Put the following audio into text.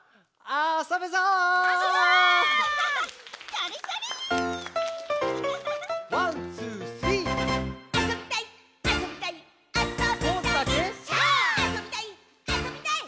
あそびたい！」